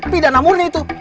pidana murni itu